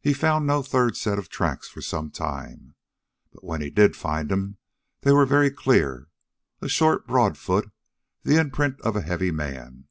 He found no third set of tracks for some time, but when he did find them, they were very clear a short, broad foot, the imprint of a heavy man.